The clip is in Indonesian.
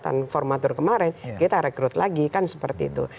kegiatan formatur kemarin kita rekrut lagi kan seperti itu